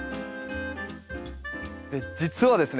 実はですね